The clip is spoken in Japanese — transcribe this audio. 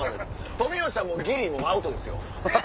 冨好さんもギリアウトですよ